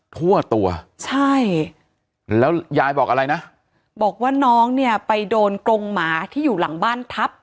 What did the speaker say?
ทั่วตัวใช่แล้วยายบอกอะไรนะบอกว่าน้องเนี่ยไปโดนกรงหมาที่อยู่หลังบ้านทับ